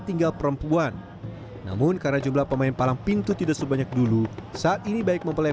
tinggal perempuan namun karena jumlah pemain palang pintu tidak sebanyak dulu saat ini baik mempelai